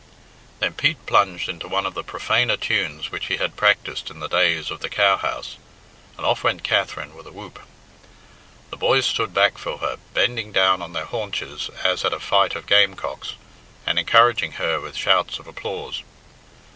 Then Pete plunged into one of the profaner tunes which he had practised in the days of the cowhouse, and off went Katherine with a whoop. The boys stood back for her, bending down on their haunches as at a fight of gamecocks, and encouraging her with shouts of applause.